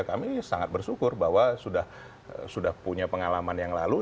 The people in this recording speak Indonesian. kami sangat bersyukur bahwa sudah punya pengalaman yang lalu